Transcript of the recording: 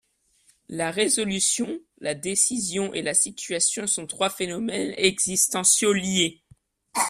La Résolution, la Décision et la Situation sont trois phénomènes existentiaux liés.